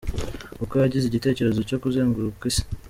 Uko yagize igitekerezo cyo kuzenguruka isi .